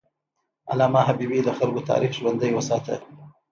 علامه حبیبي د خلکو تاریخ ژوندی وساته.